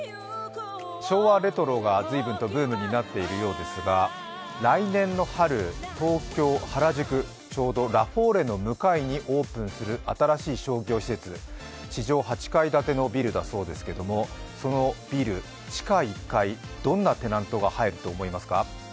昭和レトロが随分とブームになっているようですが来年の春、東京・原宿、ちょうどラフォーレの向かいにオープンする新しい商業施設、地上８階建てのビルだそうですけれども、そのビル、地下１階、どんなテナントが入ると思いますか？